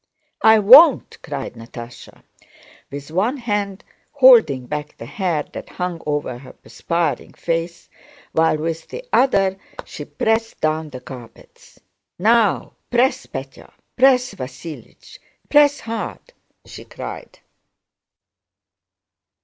"I won't!" cried Natásha, with one hand holding back the hair that hung over her perspiring face, while with the other she pressed down the carpets. "Now press, Pétya! Press, Vasílich, press hard!" she cried.